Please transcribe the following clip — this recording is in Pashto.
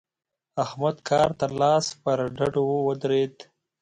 احمد کار ته لاس پر ډډو ودرېد.